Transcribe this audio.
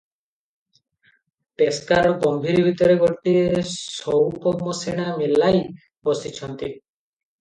ପେସ୍କାରେ ଗମ୍ଭୀରି ଭିତରେ ଗୋଟାଏ ସଉପମସିଣା ମେଲାଇ ବସିଛନ୍ତି ।